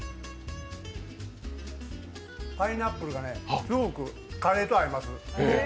パイナップルがすごくカレーと合います。